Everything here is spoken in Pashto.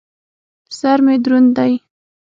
سر مې دروند دى.